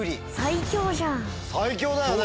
最強だよね？